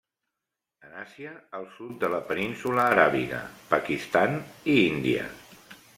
En Àsia al sud de la Península Aràbiga, Pakistan i Índia.